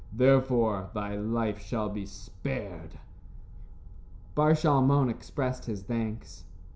Therefore, thy life shall be spared." Bar Shalmon expressed his thanks.